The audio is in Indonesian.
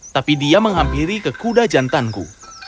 tapi dia menghampiri ke kuda jantanku